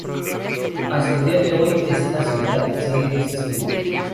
Hasta el día de hoy, esta ciudad sigue existiendo.